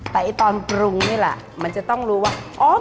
แต่ตอนปรุงนี่แหละมันจะต้องรู้ว่า